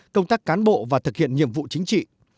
công tác cán bộ và thực hiện nhiệm vụ chính trị